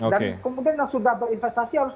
dan kemudian yang sudah berinvestasi harus